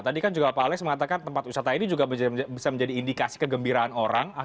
tadi kan juga pak alex mengatakan tempat wisata ini juga bisa menjadi indikasi kegembiraan orang